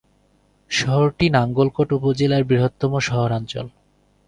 শহরটি নাঙ্গলকোট উপজেলার বৃহত্তম শহরাঞ্চল।